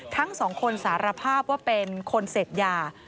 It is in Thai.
ทั้งสองคนสารภาพว่าเป็นคนเสพยา